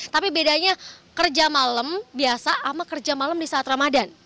tapi bedanya kerja malam biasa sama kerja malam di saat ramadan